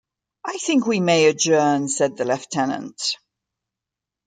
‘I think we may adjourn,’ said the Lieutenant.